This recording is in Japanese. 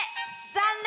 残念！